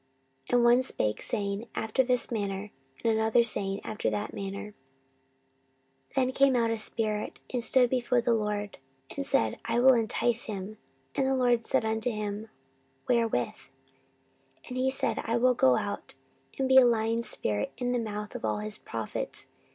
And one spake saying after this manner, and another saying after that manner. 14:018:020 Then there came out a spirit, and stood before the LORD, and said, I will entice him. And the LORD said unto him, Wherewith? 14:018:021 And he said, I will go out, and be a lying spirit in the mouth of all his prophets.